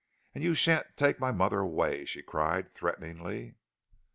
"And you sha'n't take my mother away," she cried threateningly.